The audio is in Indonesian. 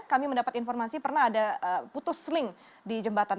kami mendapat informasi pernah ada putus sling di jembatan